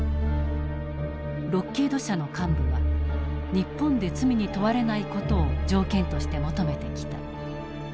ロッキード社の幹部は日本で罪に問われない事を条件として求めてきた。